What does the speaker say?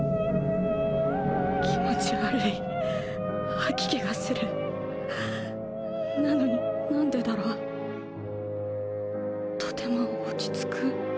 気持ち悪い吐き気がするなのになんでだろうとても落ち着く。